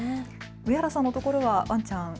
上原さんのところはワンちゃん？